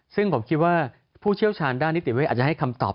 ซึ่งผมคิดว่าผู้เชี่ยวชาญด้านนิติเวทอาจจะให้คำตอบ